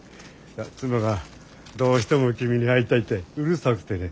妻がどうしても君に会いたいってうるさくてね。